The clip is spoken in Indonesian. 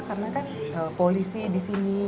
karena kan polisi di sini